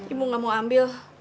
ibu gak mau ambil